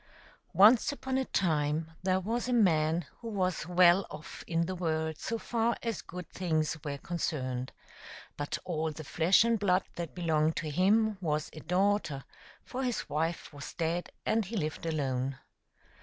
NCE upon a time there was a man who was well off in the world so far as good things were concerned ; but all the flesh and blood that belonged to him was a daughter, for his wife was dead, and he lived alone.